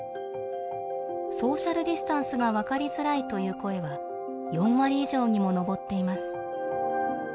「ソーシャルディスタンスがわかりづらい」という声は４割以上にも上っています。